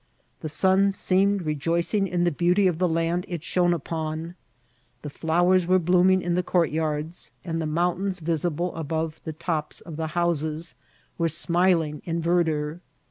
The sun seemed rejoicing in the beauty of the land it shone upon. The flowers were blooming in the courtyards, and the mountains, visible above the tops of the houses, were smiling in verdure.